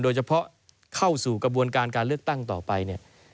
โดยเฉพาะเข้าสู่กระบวนการการเลือกตั้งต่อไปเนี่ย